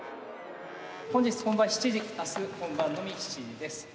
本日本番７時明日本番のみ７時です。